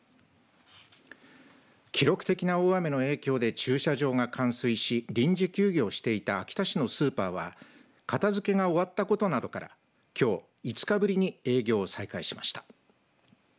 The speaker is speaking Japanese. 記録的な大雨の影響で駐車場が冠水し臨時休業していた秋田市のスーパーは片づけが終わったことなどからきょう５日ぶりに営業を再開しました。